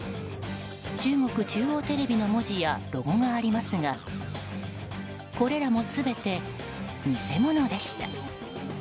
中国中央テレビの文字やロゴがありますがこれらも全て偽物でした。